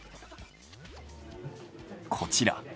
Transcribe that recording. こちら。